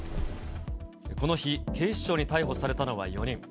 この日、警視庁に逮捕されたのは４人。